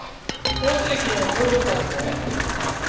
王子駅のコインロッカーですね？